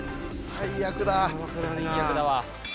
最悪だわ。